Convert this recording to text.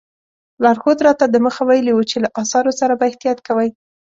لارښود راته دمخه ویلي وو چې له اثارو سره به احتیاط کوئ.